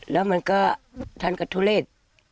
แล้วมันก็ทันกับทุเลศ